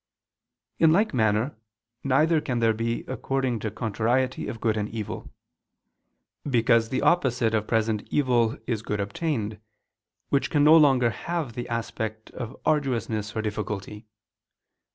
In like manner neither can there be according to contrariety of good and evil. Because the opposite of present evil is good obtained, which can be no longer have the aspect of arduousness or difficulty.